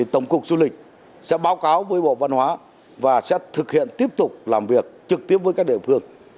tổng cục du lịch sẽ báo cáo với bộ văn hóa và sẽ thực hiện tiếp tục làm việc trực tiếp với các địa phương